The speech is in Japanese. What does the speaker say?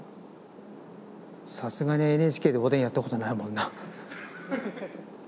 さすがにＮＨＫでおでんやったことないもんな。